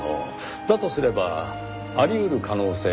だとすればあり得る可能性は２つ。